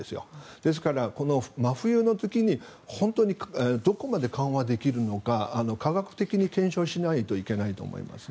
ですから真冬の時にどこまで緩和できるのか科学的に検証しないといけないと思いますね。